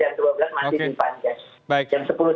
jadi yang jam dua belas masih dipanjang